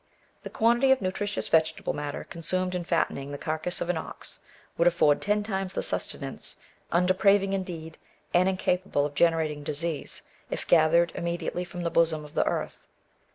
The quantity of nutritious vegetable matter consumed in fattening the carcase of an ox, would afford ten times the sustenance, imdepraving indeed, and incapable of generating disease, if gathered immediately from the bosom of ihe earth.